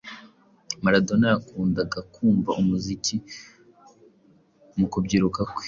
Maradona yakundaga kumva umuziki mu kubyiruka kwe